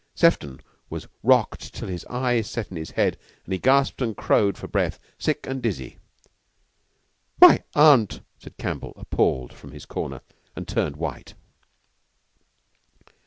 Sefton was "rocked" till his eyes set in his head and he gasped and crowed for breath, sick and dizzy. "My Aunt!" said Campbell, appalled, from his corner, and turned white.